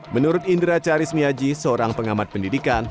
menurut indra carismiaji seorang pengamat pendidikan